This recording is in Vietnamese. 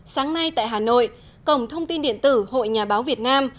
sáng nay tại hà nội cổng thông tin điện tử hội nhà báo việt nam